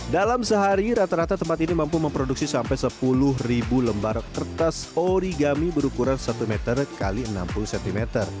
dalam sehari rata rata tempat ini mampu memproduksi sampai sepuluh lembar kertas origami berukuran satu meter x enam puluh cm